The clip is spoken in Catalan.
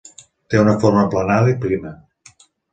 Té forma una forma aplanada i prima.